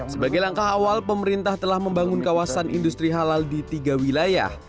sebagai langkah awal pemerintah telah membangun kawasan industri halal di tiga wilayah